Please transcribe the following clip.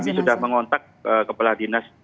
dan sudah mengontak ke kepala dinas